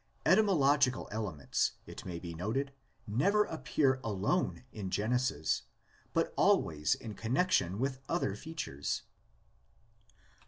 Etymological elements, it may be noted, never appear alone in Genesis, but always in connexion with other features.